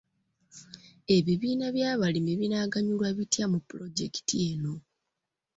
Ebibiina by'abalimi binaaganyulwa bitya mu pulojekiti eno?